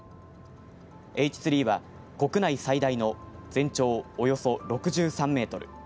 Ｈ３は、国内最大の全長およそ６３メートル